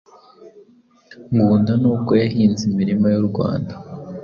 Ngunda nubwo yahinze imirima y’u Rwanda,